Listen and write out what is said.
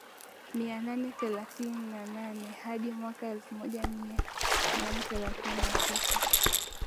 mia nane themanini na nane hadi mwaka elfu moja mia nane themanini na tisa